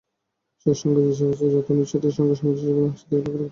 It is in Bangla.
সেই সঙ্গে বিষয়বস্তু যাতে অনুচ্ছেদটির সঙ্গে সামঞ্জস্যপূর্ণ হয়, সেদিকে লক্ষ রাখতে হবে।